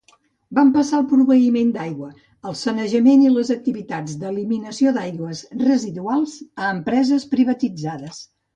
Van passar el proveïment d'aigua, el sanejament i les activitats d'eliminació d'aigües residuals a empreses privatitzades.